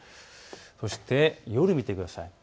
そして夜を見てください。